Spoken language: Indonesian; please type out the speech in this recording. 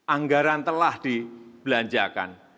anggaran telah dibelanjakan